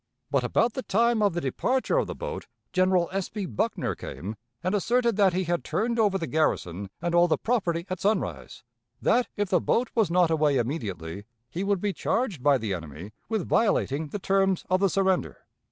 But, about the time of the departure of the boat, General S. B. Buckner came and asserted that he had turned over the garrison and all the property at sunrise; that, if the boat was not away immediately, he would be charged by the enemy with violating the terms of the surrender.